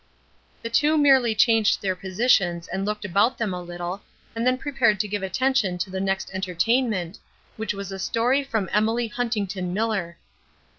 The two merely changed their positions and looked about them a little, and then prepared to give attention to the next entertainment, which was a story from Emily Huntington Miller.